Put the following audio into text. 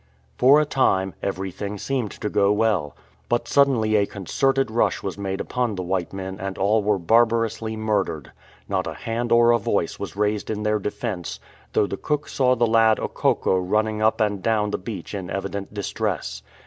For a time everything seemed to go well. But suddenly a concerted rush was made upon the white men and all were barbarously murdered. Not a hand or a voice was raised in their defence, though the cook saw the lad Okokko running up and down the beach in evident distress.